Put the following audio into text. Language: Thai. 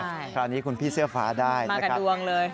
ใช่คราวนี้คุณพี่เสื้อฟ้าได้นะครับมากับดวงเลย